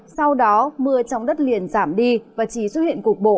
sau đó mưa trong đất liền giảm đi và chỉ xuất hiện cục bộ